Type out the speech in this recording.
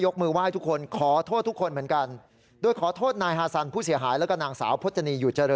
คือขอเก็บภาพก่อน